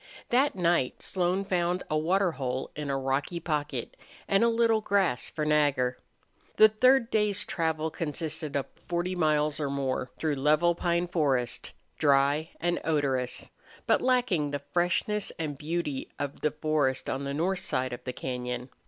That night Slone found a water hole in a rocky pocket and a little grass for Nagger. The third day's travel consisted of forty miles or more through level pine forest, dry and odorous, but lacking the freshness and beauty of the forest on the north side of the cañon.